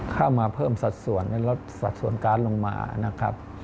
เข้ามาเพิ่มสัดส่วนการลดสัดส่วนการลงมา